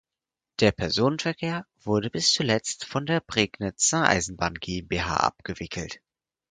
Der Personenverkehr wurde bis zuletzt von der Prignitzer Eisenbahn GmbH abgewickelt.